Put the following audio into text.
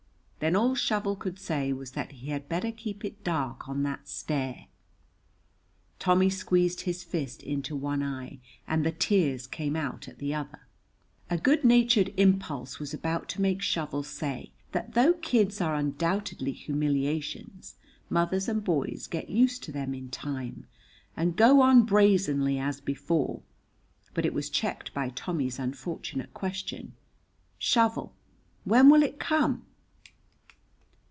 Then all Shovel could say was that he had better keep it dark on that stair. Tommy squeezed his fist into one eye, and the tears came out at the other. A good natured impulse was about to make Shovel say that though kids are undoubtedly humiliations, mothers and boys get used to them in time, and go on as brazenly as before, but it was checked by Tommy's unfortunate question, "Shovel, when will it come?"